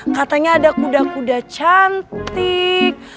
katanya ada kuda kuda cantik